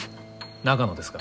長野ですか？